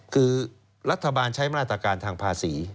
คือรัฐบาลใช้มาตรการทางภาษี